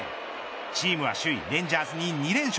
チームは首位レンジャーズに２連勝。